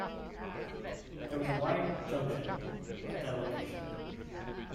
There was a wye junction at the location.